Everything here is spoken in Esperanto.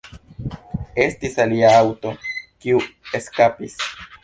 Estis alia aŭto, kiu eskapis.